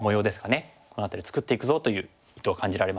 この辺りを作っていくぞという意図を感じられますよね。